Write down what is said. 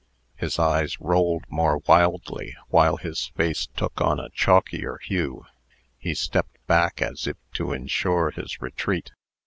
His eyes rolled more wildly, while his face took on a chalkier hue. He stepped back, as if to insure his retreat.